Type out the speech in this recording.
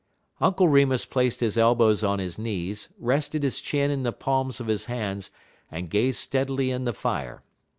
Uncle Remus placed his elbows on his knees, rested his chin in the palms of his hands, and gazed steadily in the fire.